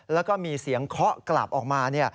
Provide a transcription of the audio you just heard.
แล้วก็มีเสียงเคาะกลับออกมา